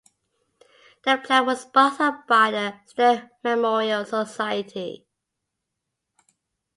The plaque was sponsored by the Stead Memorial Society.